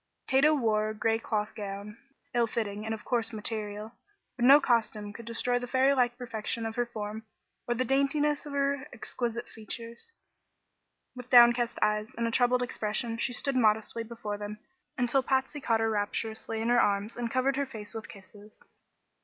Tato wore a gray cloth gown, ill fitting and of coarse material; but no costume could destroy the fairy like perfection of her form or the daintiness of her exquisite features. With downcast eyes and a troubled expression she stood modestly before them until Patsy caught her rapturously in her arms and covered her face with kisses.